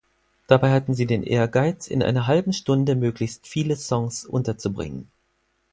Dabei hatten sie den Ehrgeiz, in einer halben Stunde möglichst viele Songs unterzubringen.